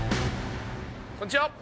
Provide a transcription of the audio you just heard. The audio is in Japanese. こんにちは。